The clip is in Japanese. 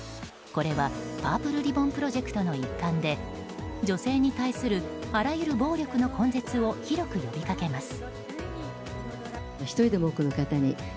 これはパープルリボンプロジェクトの一環で女性に対するあらゆる暴力の根絶を広く呼びかけます。